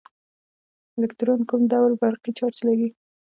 الکترون کوم ډول برقي چارچ لري.